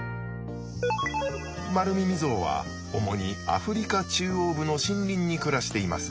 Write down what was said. マルミミゾウは主にアフリカ中央部の森林に暮らしています。